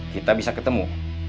kita bisa ketemu